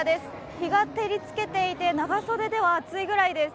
日が照りつけていて、長袖では暑いぐらいです。